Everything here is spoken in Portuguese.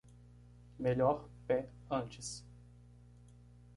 Melhor pé antes